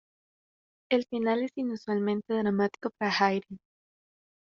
El final es inusualmente dramático para Haydn.